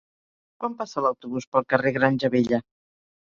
Quan passa l'autobús pel carrer Granja Vella?